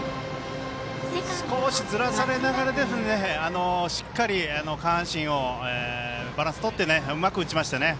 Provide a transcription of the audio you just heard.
少し、ずらされながらしっかり下半身をバランスとってうまく打ちましたね。